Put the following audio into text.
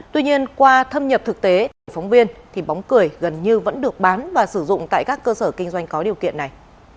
tuy nhiên qua thâm nhập thực tế của phóng viên thì bóng cười gần như vẫn được bán và sử dụng tại các cơ sở kinh doanh có điều kiện này